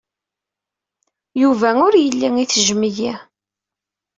Yuba ur yelli ittejjem-iyi.